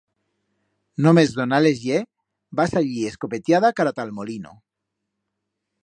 Només donar-les-ie, va sallir escopetiada cara ta'l Molino.